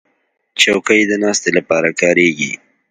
چوکۍ د ناستې لپاره کارېږي.